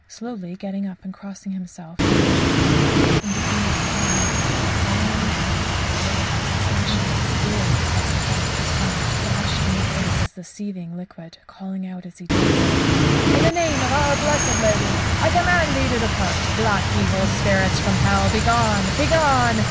Slowly getting up and crossing himself, he went to the fire, and dipping a cup in the pot, solemnly approached the werwolves, and slashing them severely across the head with his wand, dashed in their faces the seething liquid, calling out as he did so: "In the name of Our Blessed Lady I command thee to depart. Black, evil devils from hell, begone! Begone!